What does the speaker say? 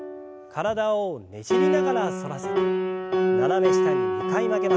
体をねじりながら反らせて斜め下に２回曲げます。